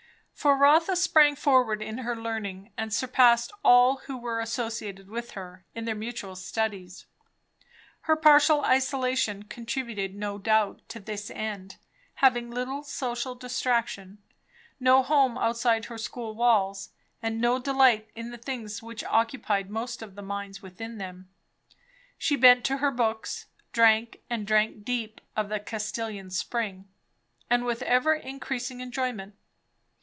For Rotha sprang forward in her learning and surpassed all who were associated with her, in their mutual studies. Her partial isolation contributed, no doubt, to this end; having little social distraction, no home outside her school walls, and no delight in the things which occupied most of the minds within them, she bent to her books; drank, and drank deep, of the "Castalian spring," and with ever increasing enjoyment.